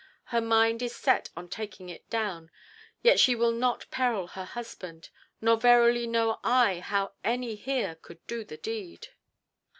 Her mind is set on taking it down, yet she will not peril her husband. Nor verily know I how any here could do the deed."